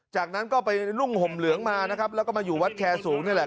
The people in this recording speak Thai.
จากนั้นก็ไปนุ่งห่มเหลืองมานะครับแล้วก็มาอยู่วัดแคร์สูงนี่แหละ